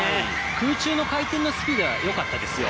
空中の回転のスキルはよかったですよ。